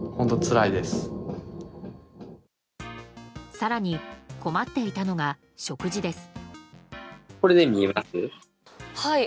更に、困っていたのが食事です。